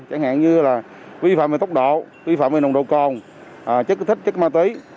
chẳng hạn như vi phạm về tốc độ vi phạm về nồng độ còn chất thích chất ma tơ